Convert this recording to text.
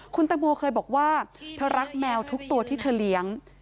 คุณตังโมเคยบอกว่าเธอรักแมวทุกตัวที่เธอเลี้ยง